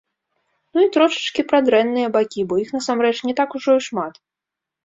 Ну і трошачкі пра дрэнныя бакі, бо іх, насамрэч, не так ужо і шмат.